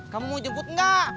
kamu mau jemput enggak